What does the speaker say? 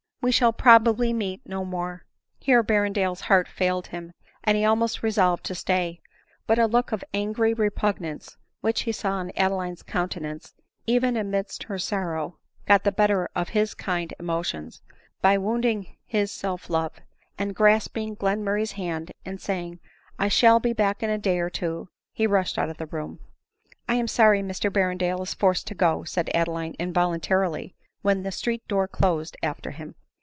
we shall probably meet no more." Here Berrendale's heart failed him, and he almost re solved to stay ; but a look of angry repugnance which he saw on Adeline's countenance, even amidst her sorrow, got the better of his kind emotions, by wounding his self love ; and grasping k Glenmurray's hand, and saying, " I shall be back in a day or two," he rushed out of the room. " I am sorry Mr Berrendale is forced to go," said Adeline involuntarily when the street door closed after him.